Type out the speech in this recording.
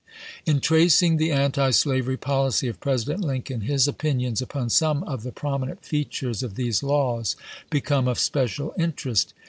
In tracing the antislavery policy of President Lincoln, his opinions upon some of the prominent features of these laws become of special interest.